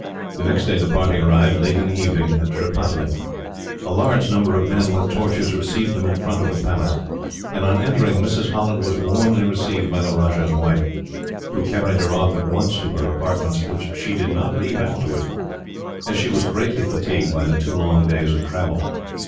The next day the party arrived, late in the evening, at Tripataly. A large number of men, with torches, received them in front of the palace; and, on entering, Mrs. Holland was warmly received by the Rajah's wife, who carried her off at once to her apartments, which she did not leave afterwards, as she was greatly fatigued by the two long days of travel.